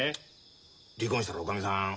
離婚したらおかみさん